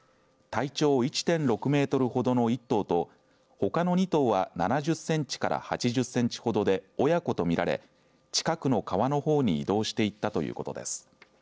体長１．６メートルほどの１頭とほかの２頭は７０センチから８０センチほどで親子と見られ、近くの川の方に移動していったということです。